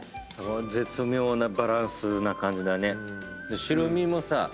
絶妙なバランスな感じだね。